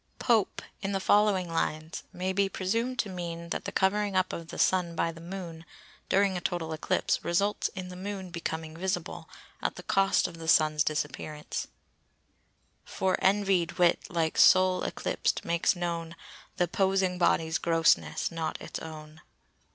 Pope, in the following lines, may be presumed to mean that the covering up of the Sun by the Moon, during a total eclipse, results in the Moon becoming visible, at the cost of the Sun's disappearance:— "For Envy'd wit, like Sol eclips'd, makes known Th' opposing body's grossness, not its own."